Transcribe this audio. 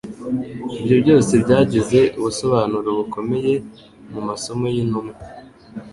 ibyo byose byagize ubusobanuro bukomeye mu maso y'intumwa.